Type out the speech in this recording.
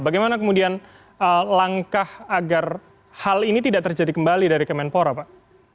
bagaimana kemudian langkah agar hal ini tidak terjadi kembali dari kemenpora pak